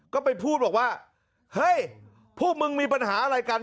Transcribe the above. ก็ไปพูดบอกว่าเฮ้ยพวกมึงมีปัญหาอะไรกัน